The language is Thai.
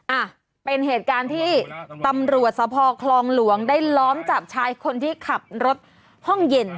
อ่ะเป็นเหตุการณ์ที่ตำรวจสภคลองหลวงได้ล้อมจับชายคนที่ขับรถห้องเย็น